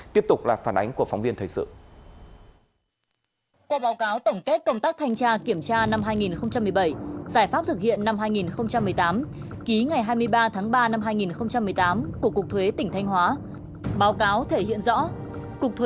tiếp tục là phản ánh của phóng viên thời sự